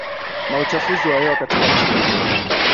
na uchafuzi wa hewa katika nchi nyingine